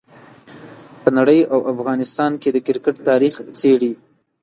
په نړۍ او افغانستان کې د کرکټ تاریخ څېړي.